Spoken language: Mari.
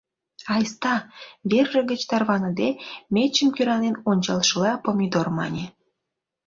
— Айста... — верже гыч тарваныде, мечым кӧранен ончалшыла Помидор мане.